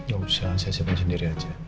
gak usah saya siapin sendiri aja